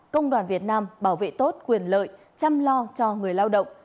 công đoàn việt nam bảo vệ tốt quyền lợi chăm lo cho người lao động